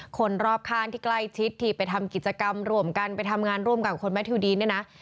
คนรอบข้างที่ใกล้ชิดที่ไปทำกิจกรรมร่วมกันไปทำงานร่วมกันกับคนแมททิวดีนเนี่ยนะ